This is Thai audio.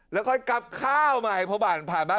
แล้วก็กลับข้าวมาให้ผ่านบ้านคุณป้า